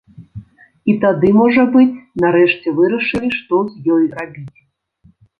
І тады, можа быць, нарэшце вырашылі, што з ёй рабіць.